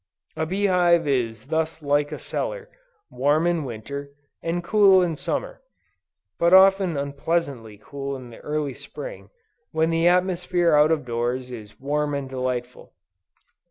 A bee hive is thus like a cellar, warm in Winter, and cool in Summer; but often unpleasantly cool in the early Spring, when the atmosphere out of doors is warm and delightful.